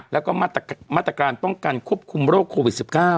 แล้วก็มาตรการป้องกันควบคุมโรคโควิด๑๙